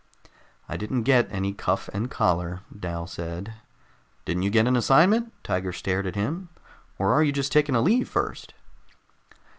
"I didn't get any cuff and collar," Dal said. "Didn't you get an assignment?" Tiger stared at him. "Or are you just taking a leave first?"